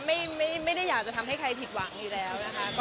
ไม่ได้อยากจะทำให้ใครผิดหวังอยู่แล้วนะคะ